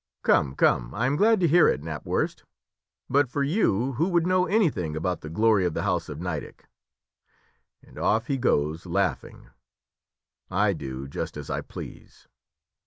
'Come, come, I am glad to hear it, Knapwurst; but for you, who would know anything about the glory of the house of Nideck?' And off he goes laughing. I do just as I please."